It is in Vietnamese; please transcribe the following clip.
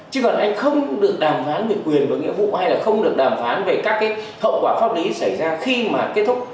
chứ còn anh không được đàm phán về quyền và nghĩa vụ hay là không được đàm phán về các cái hậu quả pháp lý xảy ra khi mà kết thúc